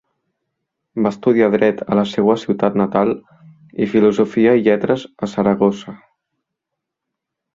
Va estudiar Dret a la seua ciutat natal i Filosofia i Lletres a Saragossa.